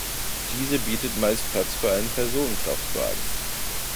Diese bietet meist Platz für einen Personenkraftwagen.